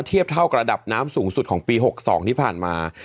เทียบเท่ากับระดับน้ำสูงสุดของปี๖๒ที่ผ่านมา